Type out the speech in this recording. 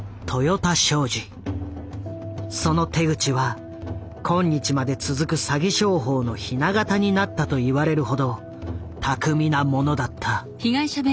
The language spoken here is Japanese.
その手口は今日まで続く詐欺商法のひな型になったと言われるほど巧みなものだった。